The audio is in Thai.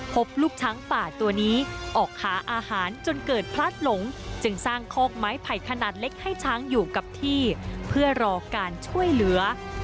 พบลูกช้างป่าตัวนี้ออกหาอาหารจนเกิดพลัดหลงจึงสร้างคอกไม้ไผ่ขนาดเล็กให้ช้างอยู่กับที่เพื่อรอการช่วยเหลือ